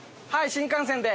新幹線で。